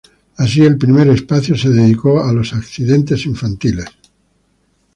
Así, el primer espacio se dedicó a los accidentes infantiles.